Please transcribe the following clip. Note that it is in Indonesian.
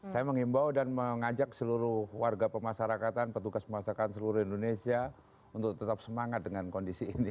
saya mengimbau dan mengajak seluruh warga pemasarakatan petugas pemasakan seluruh indonesia untuk tetap semangat dengan kondisi ini